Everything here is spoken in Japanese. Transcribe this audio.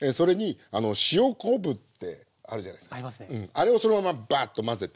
あれをそのままバーッと混ぜて。